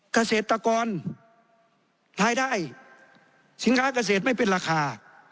เกษตรกรรายได้สินค้าเกษตรไม่เป็นราคา